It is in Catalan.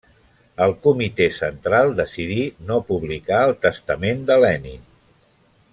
El Comitè Central decidí no publicar el Testament de Lenin.